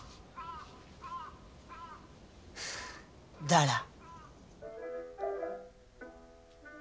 だら。